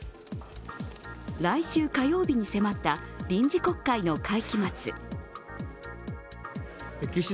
来週火曜日に迫った臨時国会の会期末。